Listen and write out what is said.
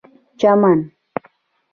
چمن